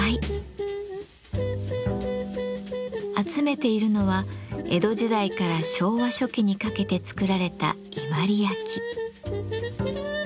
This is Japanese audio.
集めているのは江戸時代から昭和初期にかけて作られた伊万里焼。